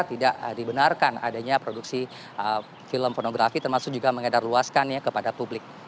tidak dibenarkan adanya produksi film pornografi termasuk juga mengedarluaskannya kepada publik